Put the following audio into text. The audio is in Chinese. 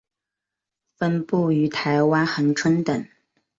分布于台湾恒春等。